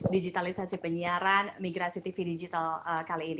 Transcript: digitalisasi penyiaran migrasi tv digital kali ini